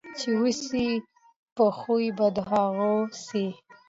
چي اوسې په خوی به د هغو سې